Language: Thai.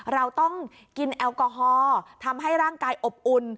เราต้องกินแอลกอฮอล์ทำให้ร่างกายอบอุ่น